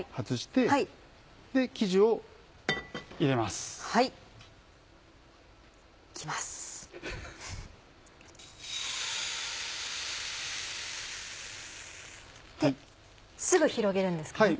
すぐ広げるんですかね。